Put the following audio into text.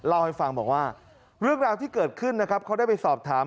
เล่าให้ฟังบอกว่าเรื่องราวที่เกิดขึ้นนะครับเขาได้ไปสอบถาม